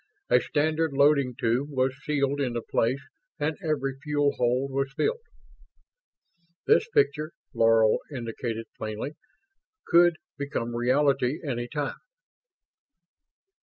A standard loading tube was sealed into place and every fuel hold was filled. This picture, Laro indicated plainly, could become reality any time.